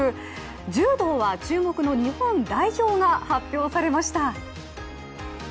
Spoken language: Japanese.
柔道は注目の日本代表が発表されました。